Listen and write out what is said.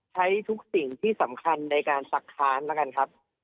ใช้ทุกสิ่งที่สำคัญในการสักค้านแล้วกันครับ